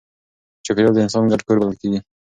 چاپېریال د انسان ګډ کور بلل کېږي.